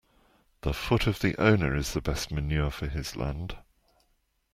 The foot of the owner is the best manure for his land.